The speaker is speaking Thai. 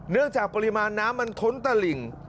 จากปริมาณน้ำมันท้นตะหลิ่ง